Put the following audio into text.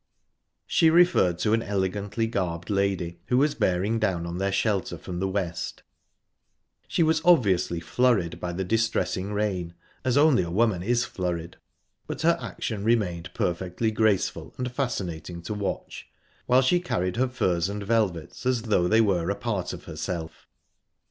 She referred to an elegantly garbed lady who was bearing down on their shelter from the west. She was obviously flurried by the distressing rain, as only a woman is flurried; but her action remained perfectly graceful and fascinating to watch, while she carried her furs and velvets as though they were a part of herself.